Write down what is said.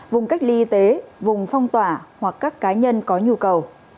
vùng cách ly y tế vùng phong tỏa hoặc các cá nhân có nhu cầu